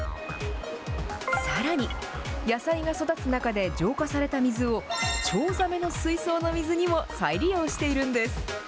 さらに、野菜が育つ中で浄化された水をチョウザメの水槽の水にも再利用しているんです。